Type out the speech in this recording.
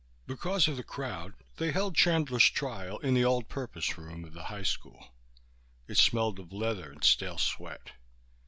Because of the crowd they held Chandler's trial in the all purpose room of the high school. It smelled of leather and stale sweat.